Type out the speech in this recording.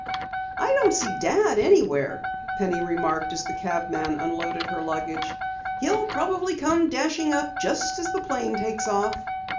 "I don't see Dad anywhere," Penny remarked as the cabman unloaded her luggage. "He'll probably come dashing up just as the plane takes off."